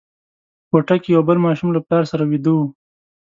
په کوټه کې یو بل ماشوم له پلار سره ویده وو.